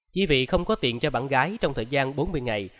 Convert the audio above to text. chỉ vì không có tiền cho bạn gái trong thời gian bốn mươi ngày